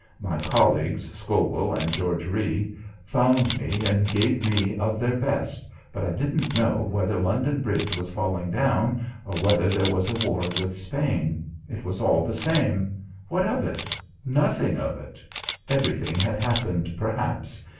My colleagues, Scovel and George Rhea, found me and gave me of their best, but I didn't know whether London Bridge was falling down or whether there was a war with Spain. It was all the same. What of it? Nothing of it. Everything had happened, perhaps.